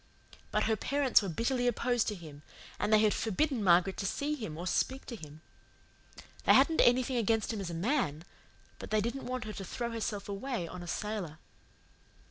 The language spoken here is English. But her parents were bitterly opposed to him, and they had forbidden Margaret to see him or speak to him. They hadn't anything against him as a MAN, but they didn't want her to throw herself away on a sailor.